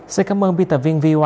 xin cảm ơn biên tập viên v một